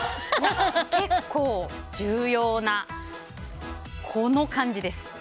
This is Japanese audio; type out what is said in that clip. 結構重要な、この感じです。